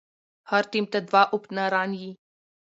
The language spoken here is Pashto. هر ټيم ته دوه اوپنران يي.